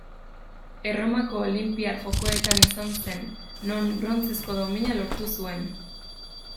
Erromako Olinpiar Jokoetan izan zen, non brontzezko domina lortu zuen.